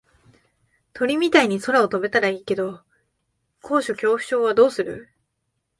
鳥みたいに空を飛べたらいいけど高所恐怖症はどうする？